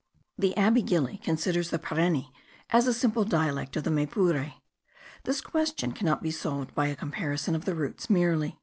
The Abbe Gili considers the Pareni as a simple dialect of the Maypure. This question cannot be solved by a comparison of the roots merely.